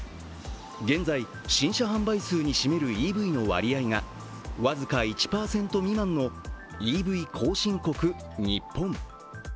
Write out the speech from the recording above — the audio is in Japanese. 現在、新車販売数に占めるＥＶの割合が僅か１％未満のＥＶ後進国・日本。